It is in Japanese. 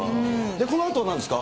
このあとなんですか？